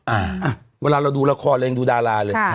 อ่ะเวลาเราดูละครเรายังดูดาราเลย